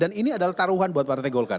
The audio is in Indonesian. dan ini adalah taruhan buat partai golkar